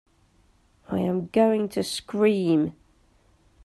I'm going to scream!